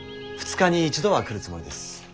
２日に一度は来るつもりです。